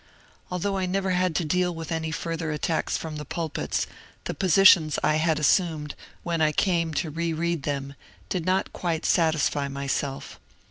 Although I never had to deal with any further attacks from the pulpits, the positions I had assumed, when I came to re read them, did not quite satisfy myself.